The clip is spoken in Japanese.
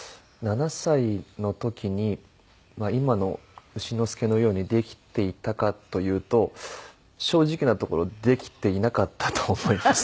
７歳の時に今の丑之助のようにできていたかというと正直なところできていなかったと思います。